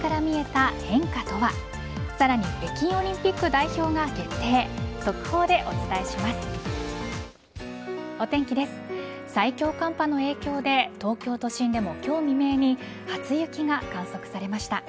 最強寒波の影響で東京都心でも今日未明に初雪が観測されました。